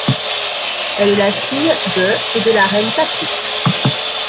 Elle est la fille de et de la reine Takhout.